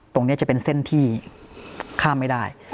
ตรงนี้จะเป็นเส้นที่ข้ามไม่ได้